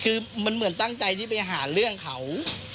คือมันเหมือนตั้งใจที่ไปหาเรื่องเขา